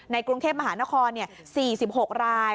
กรุงเทพมหานคร๔๖ราย